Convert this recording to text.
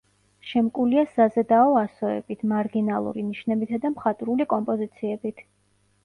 შემკულია საზედაო ასოებით, მარგინალური ნიშნებითა და მხატვრული კომპოზიციებით.